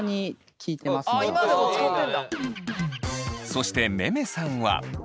そしてめめさんは。